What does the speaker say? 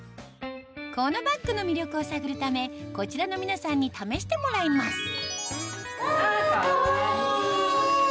このバッグの魅力を探るためこちらの皆さんに試してもらいますあかわいい！